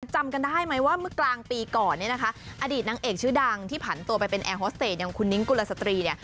จำกันได้ไหมว่าเมื่อกลางปีก่อนเนี่ยนะคะอดีตนางเอกชื่อดังที่ผันตัวไปเป็นแอร์ฮอสเตจอย่างคุณนิ้งกุลสตรีเนี่ย